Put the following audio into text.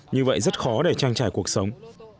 như vậy rất khó để trang trải cuộc sống